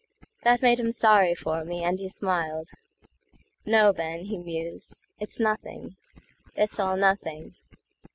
That made him sorry for me, and he smiled."No, Ben," he mused; "it's Nothing. It's all Nothing.